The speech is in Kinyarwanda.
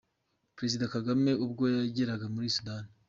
Perezida Kagame ubwo yageraga muri Sudan.